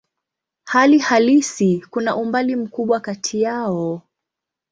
Hali halisi kuna umbali mkubwa kati yao.